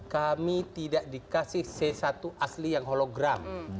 kami tidak dikasih c satu asli yang hologram